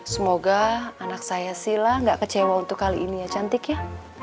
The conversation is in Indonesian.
semoga anak saya sih lah gak kecewa untuk kali ini ya cantik ya